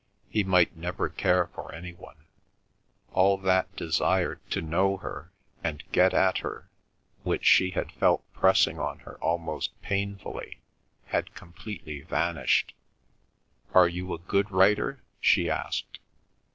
He might never care for any one; all that desire to know her and get at her, which she had felt pressing on her almost painfully, had completely vanished. "Are you a good writer?" she asked.